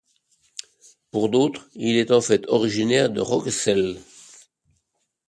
Pour d'autres, il est en fait originaire de Roquessels.